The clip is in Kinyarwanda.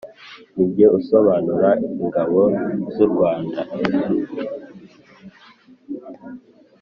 nijye usobanura: ingabo z'u rwanda